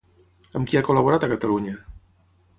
Amb qui ha col·laborat a Catalunya?